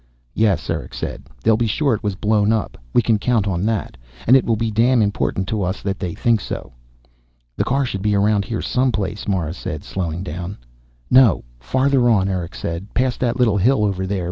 "Yes," Erick said. "They'll be sure it was blown up. We can count on that. And it will be damn important to us that they think so!" "The car should be around here, someplace," Mara said, slowing down. "No. Farther on," Erick said. "Past that little hill over there.